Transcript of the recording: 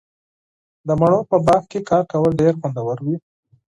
د مڼو په باغ کې کار کول ډیر خوندور وي.